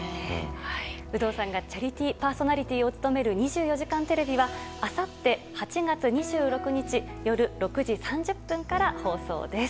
有働さんがチャリティーパーソナリティーを務める「２４時間テレビ」はあさって８月２６日夜６時３０分から放送です。